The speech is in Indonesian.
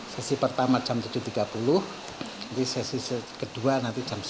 sesi pertama jam tujuh tiga puluh nanti sesi kedua jam sepuluh ke atas